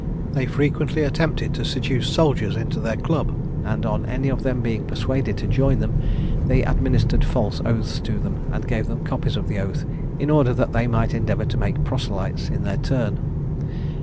They frequently attempted to seduce soldiers into their club, and on any of them being persuaded to join them, they administered false oaths to them, and gave them copies of the oath, in order that they might endeavour to make proselytes in their turn.